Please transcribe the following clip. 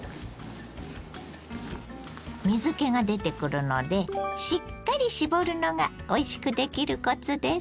水けが出てくるのでしっかり絞るのがおいしくできるコツです。